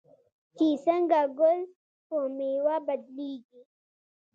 چې څنګه ګل په میوه بدلیږي.